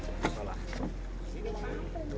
tuh bambu itu